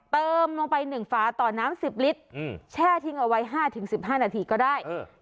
เติมลงไปหนึ่งฟ้าต่อน้ำสิบลิตรอืมแช่ทิ้งเอาไว้ห้าถึงสิบห้านาทีก็ได้เออ